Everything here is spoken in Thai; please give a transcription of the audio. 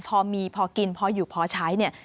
พอมีพอกินพออยู่พอใช้เนี่ย